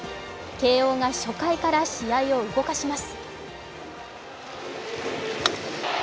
慶応が初回から試合を動かします。